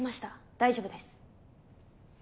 大丈夫です。